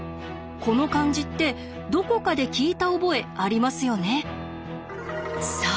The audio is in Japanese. この感じってどこかで聞いた覚えありますよね。